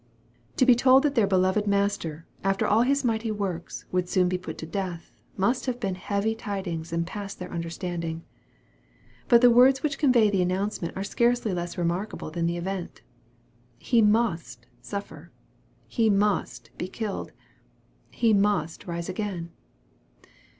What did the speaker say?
To be told that their beloved Master, after all His mighty works, would soon be put to death, must have been heavy tidings and past their understand ing. But the words which convey the announcement are scarcely less remarkable than the event :" He must suffer He must be killed He must rise again."